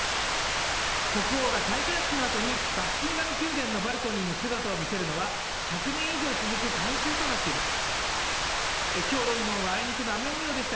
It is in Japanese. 国王が戴冠式のあとにバッキンガム宮殿のバルコニーに姿を見せるのは１００年以上続く慣習となっています